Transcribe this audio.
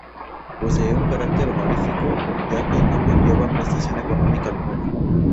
Posee un carácter honorífico ya que no conlleva prestación económica alguna.